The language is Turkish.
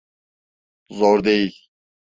Zor değil.